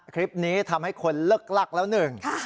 คลิปนี้ทำให้คนเลิกลักแล้วหนึ่ง